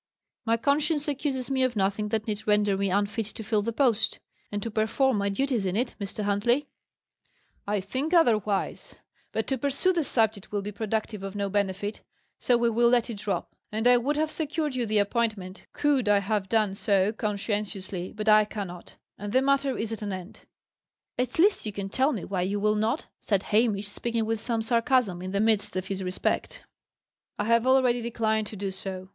"My conscience accuses me of nothing that need render me unfit to fill the post, and to perform my duties in it, Mr. Huntley." "I think otherwise. But, to pursue the subject will be productive of no benefit, so we will let it drop. I would have secured you the appointment, could I have done so conscientiously, but I cannot; and the matter is at an end." "At least you can tell me why you will not?" said Hamish, speaking with some sarcasm, in the midst of his respect. "I have already declined to do so.